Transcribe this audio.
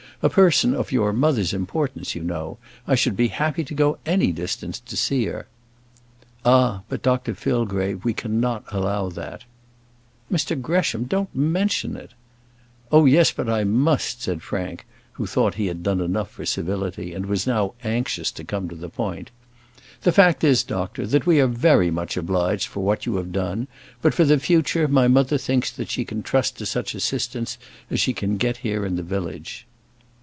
"A person of your mother's importance, you know! I should be happy to go any distance to see her." "Ah! but, Dr Fillgrave, we cannot allow that." "Mr Gresham, don't mention it." "Oh, yes; but I must," said Frank, who thought that he had done enough for civility, and was now anxious to come to the point. "The fact is, doctor, that we are very much obliged for what you have done; but, for the future, my mother thinks she can trust to such assistance as she can get here in the village."